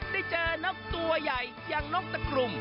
ได้เจอนกตัวใหญ่อย่างนกตะกลุ่ม